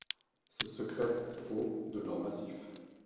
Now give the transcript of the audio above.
Ce secret vaut de l'or massif.